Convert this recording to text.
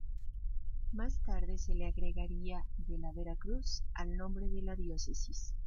Más tarde se le agregaría "de la Vera Cruz" al nombre de la diócesis.